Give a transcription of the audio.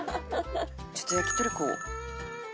ちょっと焼き鳥食おう。